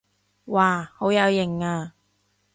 哇好有型啊